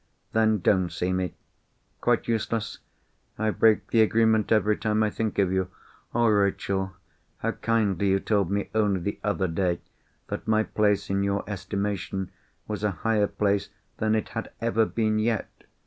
"Then don't see me." "Quite useless! I break the agreement every time I think of you. Oh, Rachel! how kindly you told me, only the other day, that my place in your estimation was a higher place than it had ever been yet!